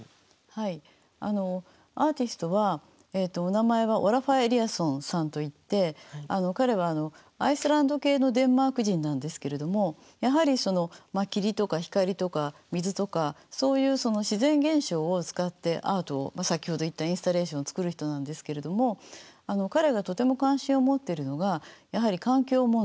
はいアーティストはお名前はオラファー・エリアソンさんといって彼はアイスランド系のデンマーク人なんですけれどもやはりその霧とか光とか水とかそういう自然現象を使ってアートを先ほど言ったインスタレーションを作る人なんですけれども彼がとても関心を持っているのがやはり環境問題サステナビリティ。